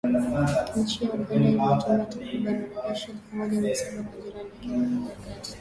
Nchi ya Uganda ilituma takriban wanajeshi elfu moja mia saba kwa jirani yake wa Afrika ya kati